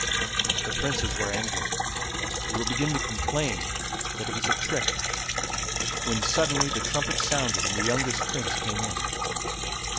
The Princes were angry, and were beginning to complain that it was a trick, when suddenly the trumpets sounded and the youngest Prince came in.